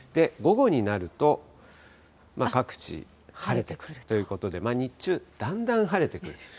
午後になると、各地晴れてくるということで、日中、だんだん晴れてくる。